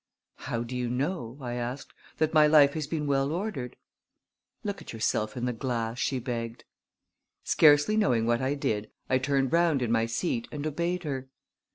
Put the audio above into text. "How do you know," I asked, "that my life has been well ordered?" "Look at yourself in the glass," she begged. Scarcely knowing what I did, I turned round in my seat and obeyed her.